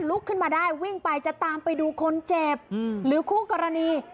ลุกขึ้นมาได้วิ่งไปจะตามไปดูคนเจ็บหรือคู่กรณี